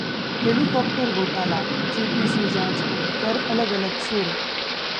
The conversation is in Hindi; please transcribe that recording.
हेलीकॉप्टर घोटालाः जेपीसी जांच को लेकर अलग-अलग सुर